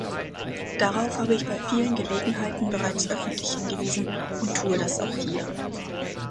Darauf habe ich bei vielen Gelegenheiten bereits öffentlich hingewiesen und tue das auch hier.